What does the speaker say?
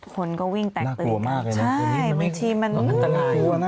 คนก็วิ่งแตกตื่น